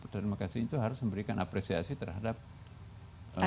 terima kasih itu harus memberikan apresiasi terhadap tokoh tokoh itu